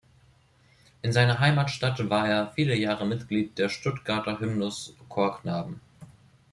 In seiner Heimatstadt war er viele Jahre Mitglied der "Stuttgarter Hymnus-Chorknaben".